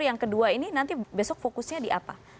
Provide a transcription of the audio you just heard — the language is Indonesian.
yang kedua ini nanti besok fokusnya di apa